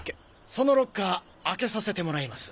そのロッカー開けさせてもらいます。